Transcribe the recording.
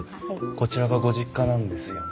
こちらがご実家なんですよね？